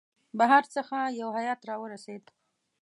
بهر څخه یو هیئات را ورسېد.